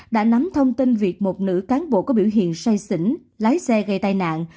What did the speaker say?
đã nắm thông tin việc một nữ cán bộ có biểu hiện say xỉn lái xe gây tai nạn